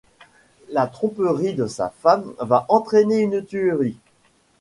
La tromperie de sa femme va entrainer une tuerie.